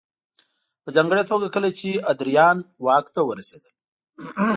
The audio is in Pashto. په ځانګړې توګه کله چې ادریان واک ته ورسېدل